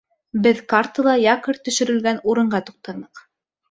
Беҙ картала якорь төшөрөлгән урынға туҡтаныҡ.